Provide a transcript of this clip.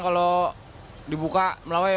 kalau dibuka melawai